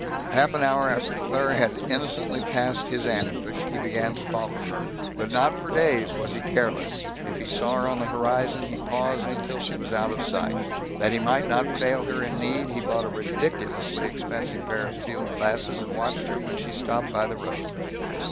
Half an hour after Claire had innocently passed his ambush, he began to follow her. But not for days was he careless. If he saw her on the horizon he paused until she was out of sight. That he might not fail her in need, he bought a ridiculously expensive pair of field glasses, and watched her when she stopped by the road.